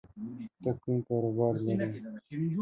ته کوم کاروبار لری